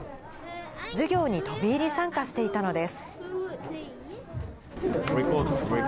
授業に飛び入り参加していたのです。